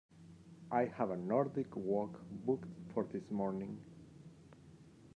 I have a Nordic walk booked for this morning.